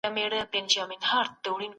عدل د ټولنې د پرمختګ لامل ګرځي.